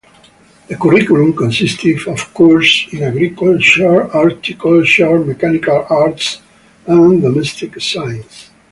The curriculum consisted of courses in agriculture, horticulture, mechanical arts, and domestic science.